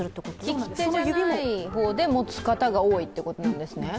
利き手じゃない方でも使う方が多いということなんですね。